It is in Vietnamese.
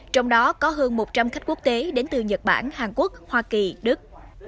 trong đó có hơn một trăm linh khách quốc tế đến từ nhật bản hàn quốc hoa kỳ đức